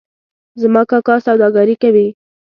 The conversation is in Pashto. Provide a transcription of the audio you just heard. زما کاکا سوداګري کوي